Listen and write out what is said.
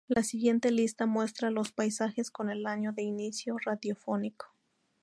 La siguiente lista muestra los países, con el año de inicio radiofónico.